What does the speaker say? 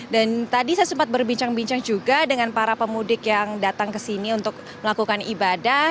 dan tadi saya sempat berbincang bincang juga dengan para pemudik yang datang ke sini untuk melakukan ibadah